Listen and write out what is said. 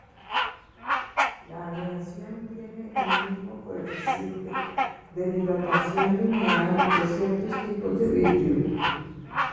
La aleación tiene el mismo coeficiente de dilatación lineal que ciertos tipos de vidrio.